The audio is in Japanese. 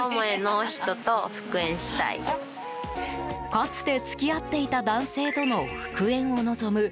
かつて付き合っていた男性との復縁を望む